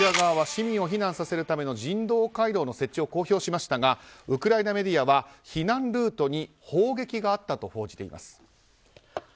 市民を避難させるための人道回廊の設置を公表しましたがウクライナメディアは避難ルートに砲撃があったと報じています。